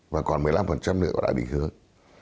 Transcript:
và còn một mươi năm nữa đã bị hướng